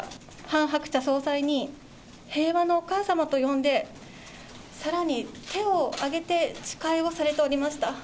ハン・ハクチャ総裁に平和のお母様と呼んで、さらに手を挙げて、誓いをされておりました。